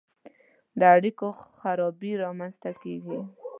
د اړیکو خرابي رامنځته کیږي.